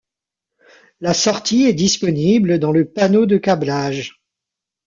La sortie est disponible dans le panneau de câblage.